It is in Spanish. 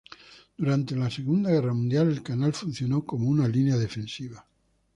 Durante la Segunda Guerra Mundial, el canal funcionó como una línea defensiva.